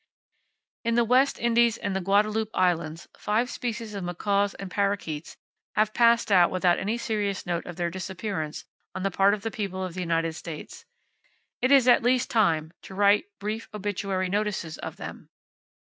In the West Indies and the Guadeloupe Islands, five species of macaws and parrakeets have passed out without any serious note of their disappearance on the part of the people of the United States. It is at least time to write brief obituary notices of them.